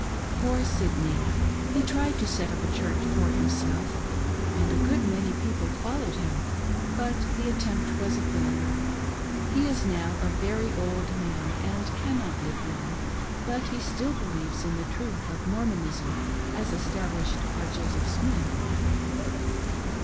Poor Sidney ! He tried to set up a church for himself, and a good many people followed him, but the attempt was a fail ure. He is now a, very old man, and cannot live long, but he still believes in the truth of Mormonism, as established by Joseph Smith.